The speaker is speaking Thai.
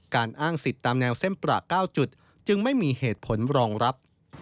อ้างสิทธิ์ตามแนวเส้นประ๙จุดจึงไม่มีเหตุผลรองรับ